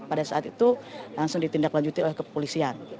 pada saat itu langsung ditindak lanjutin oleh kepolisian